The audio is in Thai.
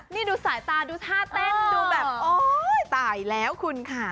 นี่ดูสายตาดูท่าเต้นดูแบบโอ๊ยตายแล้วคุณค่ะ